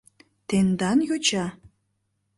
Тендан йоча?!